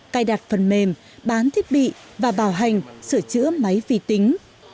cài đặt phần mềm bán thiết bị và bảo hành sửa chữa máy vi tính